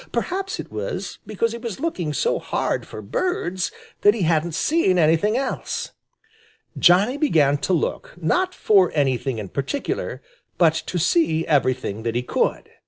Perhaps it was because he was looking so hard for birds that he hadn't seen anything else. Johnny began to look, not for anything in particular, but to see everything that he could.